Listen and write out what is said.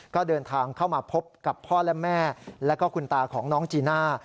ก็เดินทางเข้ามาพบกับพ่อและแม่แล้วก็คุณตาของน้องจีน่า